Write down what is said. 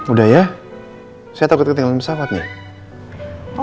udah ya saya takut ketinggalan pesawat nih